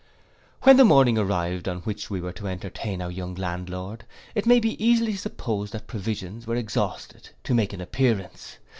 When the morning arrived on which we were to entertain our young landlord, it may be easily supposed what provisions were exhausted to make an appearance.